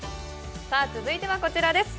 続いてはこちらです。